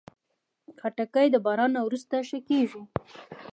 خټکی د باران نه وروسته ښه کېږي.